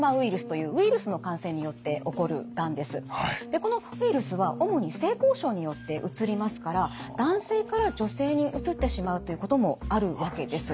でこのウイルスは主に性交渉によってうつりますから男性から女性にうつってしまうということもあるわけです。